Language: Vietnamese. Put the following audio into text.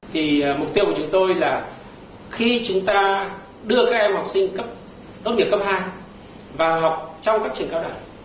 thì mục tiêu của chúng tôi là khi chúng ta đưa các em học sinh tốt nghiệp cấp hai vào học trong các trường cao đẳng